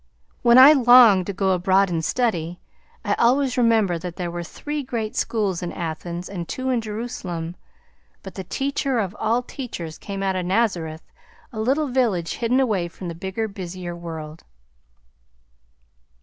When I long to go abroad and study, I always remember that there were three great schools in Athens and two in Jerusalem, but the Teacher of all teachers came out of Nazareth, a little village hidden away from the bigger, busier world."